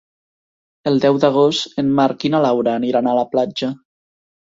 El deu d'agost en Marc i na Laura aniran a la platja.